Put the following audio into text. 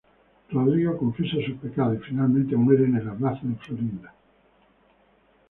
Rodrigo confiesa sus pecados, y finalmente muere en el abrazo de Florinda.